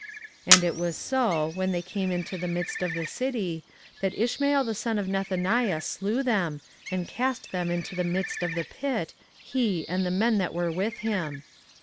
24:041:007 And it was so, when they came into the midst of the city, that Ishmael the son of Nethaniah slew them, and cast them into the midst of the pit, he, and the men that were with him.